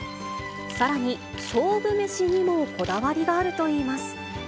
さらに、勝負めしにもこだわりがあるといいます。